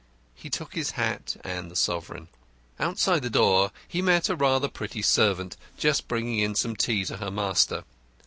He took his hat and the sovereign. Outside the door he met a rather pretty servant just bringing in some tea to her master.